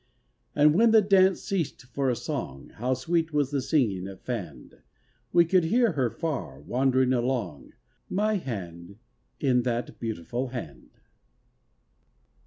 And when the dance ceased for a song. How sweet was the singing of Fand, We could hear her far, wandering along, My hand in that beautiful hand.